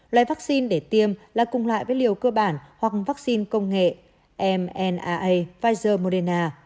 loại vaccine để tiêm là cùng loại với liều cơ bản hoặc vaccine công nghệ mnaa pfizer moderna